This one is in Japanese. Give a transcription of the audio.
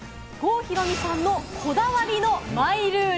郷ひろみさんのこだわりのマイルール！